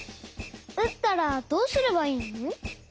うったらどうすればいいの？